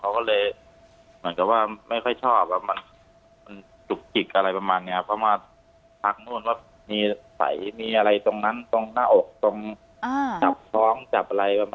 เขาก็เลยแบบก็เลยเหมือนกับว่าไม่ค่อยชอบ